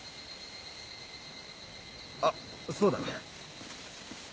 あっそうだ。